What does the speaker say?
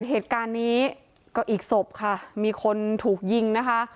เหตุการณ์นี้ก็อีกศพค่ะมีคนถูกยิงนะคะ